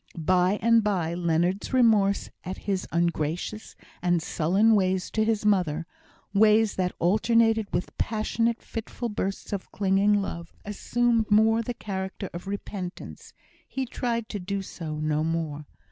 By and by Leonard's remorse at his ungracious and sullen ways to his mother ways that alternated with passionate, fitful bursts of clinging love assumed more the character of repentance; he tried to do so no more.